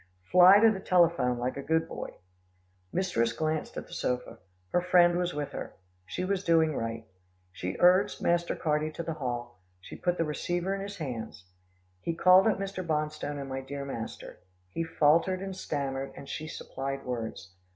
Fly to the telephone, like a good boy." Mistress glanced at the sofa. Her friend was with her. She was doing right. She urged Master Carty to the hall, she put the receiver in his hand, he called up Mr. Bonstone and my dear master. He faltered and stammered, and she supplied words.